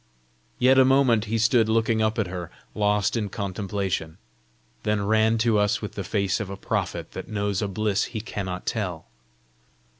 Yet a moment he stood looking up at her, lost in contemplation then ran to us with the face of a prophet that knows a bliss he cannot tell.